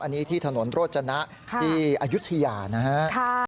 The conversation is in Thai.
อันนี้ที่ถนนโรจนะที่อายุทยานะฮะ